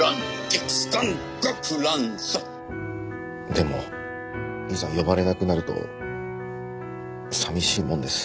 でもいざ呼ばれなくなると寂しいもんです。